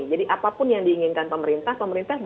jadi apapun yang diinginkan pemerintah pemerintah